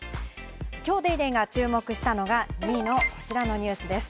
今日『ＤａｙＤａｙ．』が注目したのが２位のこちらのニュースです。